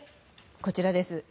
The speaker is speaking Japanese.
こちらです。